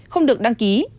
không được đăng ký